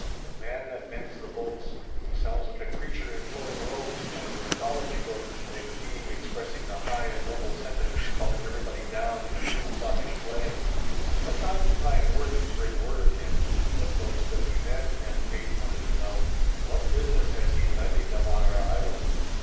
"'The man that mends the boats!' He sounds like a creature in flowing robes out of a mythology book, or the being expressing the high and noble sentiments calling everybody down in a new thoughtish play." From time to time Worth would bring word of him. What boats does he mend, Aunt Kate wanted to know, and what business has he landing them on our Island?